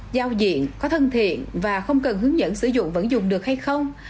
giao diện có thân thiện và không cần hướng dẫn sử dụng vận dụng được hay không